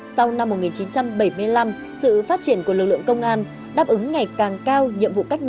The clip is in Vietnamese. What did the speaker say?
sau năm một nghìn chín trăm bảy mươi năm sự phát triển của lực lượng công an đáp ứng ngày càng cao nhiệm vụ cách mạng